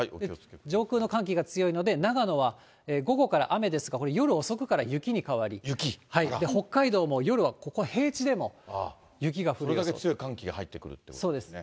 上空の寒気が強いので、長野は午後から雨ですが、これ、夜遅くから雪に変わり、北海道も夜は、それだけ強い寒気が入ってくそうです。